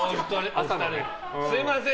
すみません。